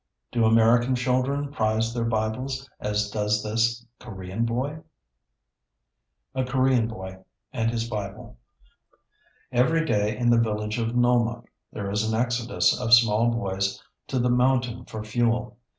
Do American children prize their Bibles as does this Korean boy? [Sidenote: A Korean boy and his Bible.] Every day in the village of Nulmok there is an exodus of small boys to the mountain for fuel.